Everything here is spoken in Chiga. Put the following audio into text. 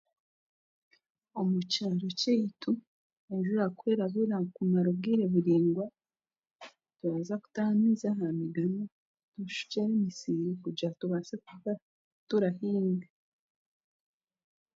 Omu kyaro kyaitu, enjura kwerabura kumara obwire buraingwa, turaza kutaha amaizi aha mudomo, tushukyere emisiri kugaira tubaase kuba turahinga